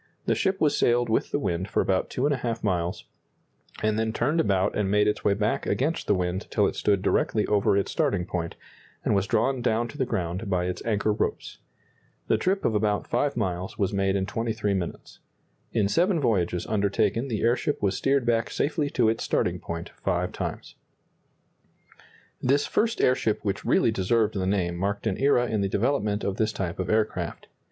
The ship was sailed with the wind for about 2½ miles, and then turned about and made its way back against the wind till it stood directly over its starting point, and was drawn down to the ground by its anchor ropes. The trip of about 5 miles was made in 23 minutes. In seven voyages undertaken the airship was steered back safely to its starting point five times. This first airship which really deserved the name marked an era in the development of this type of aircraft.